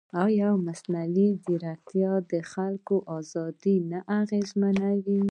ایا مصنوعي ځیرکتیا د خلکو ازادي نه اغېزمنوي؟